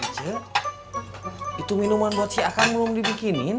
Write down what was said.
ije itu minuman buat si akan belum dibikinin